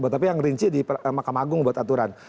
tapi yang rinci di mahkamah agung buat aturan